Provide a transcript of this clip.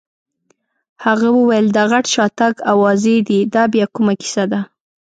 هغه وویل: د غټ شاتګ اوازې دي، دا بیا کومه کیسه ده؟